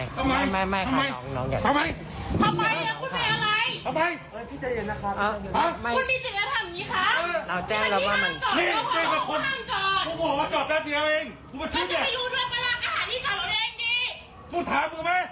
แจ้งแล้วว่า